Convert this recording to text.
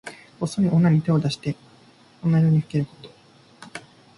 こっそり女に手を出して女色にふけること。